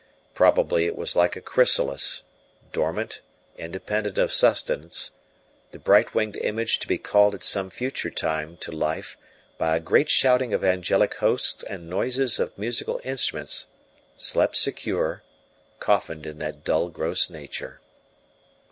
Probably it was like a chrysalis, dormant, independent of sustenance; the bright winged image to be called at some future time to life by a great shouting of angelic hosts and noises of musical instruments slept secure, coffined in that dull, gross nature.